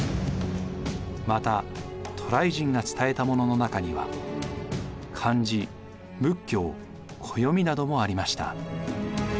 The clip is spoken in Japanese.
また渡来人が伝えたものの中には漢字仏教暦などもありました。